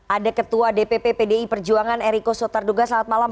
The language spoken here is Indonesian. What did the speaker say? ada ketua dpp pdi perjuangan eriko sotarduga selamat malam